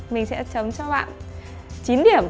mình sẽ chấm cho bạn chín điểm